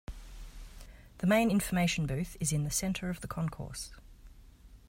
The main information booth is in the center of the concourse.